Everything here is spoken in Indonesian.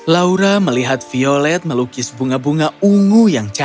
laura melihat violet melukis bunga bunga ungu